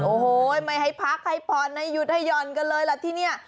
โอ้โหไม่ให้พักให้ผ่อนให้หยุดให้หย่อนกันเลยล่ะที่เนี่ย